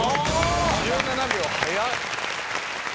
１７秒早っ。